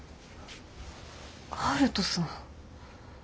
悠人さん。